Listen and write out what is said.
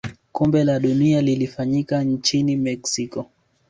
kombe la dunia lilifanyika nchini mexico